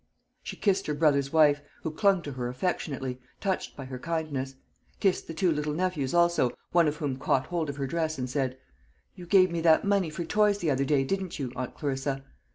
She kissed her brother's wife, who clung to her affectionately, touched by her kindness; kissed the two little nephews also, one of whom caught hold of her dress and said, "You gave me that money for toys the other day, didn't you, aunt Clarissa?"